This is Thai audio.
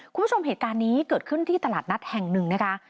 คุณผู้ชมเหตุการณ์นี้เกิดขึ้นที่ตลาดนัดแห่งหนึ่งนะคะ